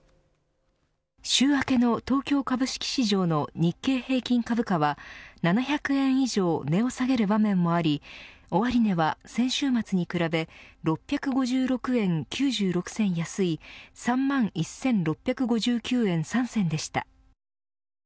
週明けの東京株式市場の日経平均株価は７００円以上値を下げる場面もあり終値は先週末に比べ６５６円９６銭安い３万１６５９円３銭でした。